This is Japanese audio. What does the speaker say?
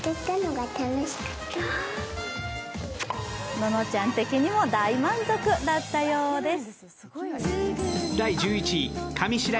ののちゃん的にも大満足だったようです。